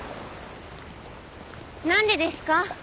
何でですか？